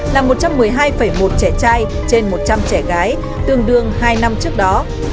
là một trăm một mươi hai một trẻ trai trên một trăm linh trẻ gái tương đương hai năm trước đó